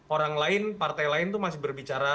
orang lain partai lain itu masih berbicara